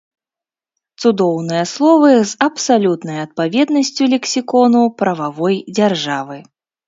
Цудоўныя словы з абсалютнай адпаведнасцю лексікону прававой дзяржавы.